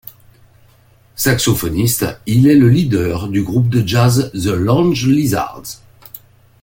Saxophoniste, il est le leader du groupe de jazz The Lounge Lizards.